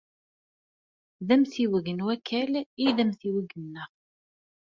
D amtiweg n Wakal ay d amtiweg-nneɣ.